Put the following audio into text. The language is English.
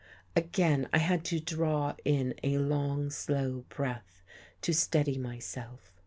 Again I had to draw in a long, slow breath to steady myself.